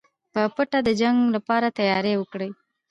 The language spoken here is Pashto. په پټه د جنګ لپاره تیاری وکړئ.